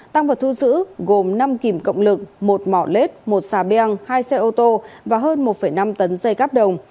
tăng vật thu giữ gồm năm kìm cộng lực một mỏ lết một xà beng hai xe ô tô và hơn một năm tấn dây cáp đồng